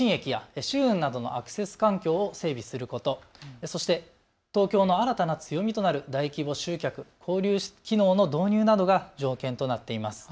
このほか地下鉄の新駅や舟運などのアクセス環境を整備すること、そして東京の新たな強みとなる大規模集客・交流機能の導入などが条件となっています。